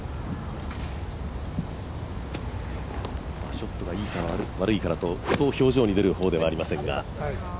ショットがいい、悪いと、そう表情に出る方ではありませんが。